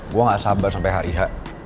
gue gak sabar sampai hari h